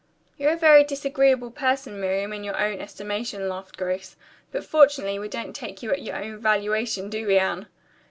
"You're a very disagreeable person, Miriam, in your own estimation," laughed Grace, "but fortunately we don't take you at your own valuation, do we, Anne?"